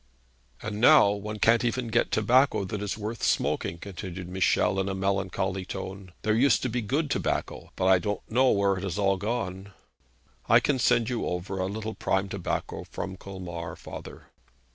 'And now one can't even get tobacco that is worth smoking,' continued Michel, in a melancholy tone. 'There used to be good tobacco, but I don't know where it has all gone.' 'I can send you over a little prime tobacco from Colmar, father.'